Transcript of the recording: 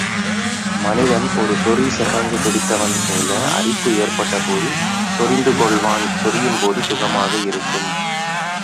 மனிதன் ஒரு சொரிசிறங்கு பிடித்தவன்போல அரிப்பு ஏற்பட்டபோது சொரிந்து கொள்வான் சொரியும்போது சுகமாக இருக்கும்.